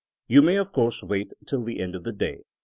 You may of course wait until the end of the day.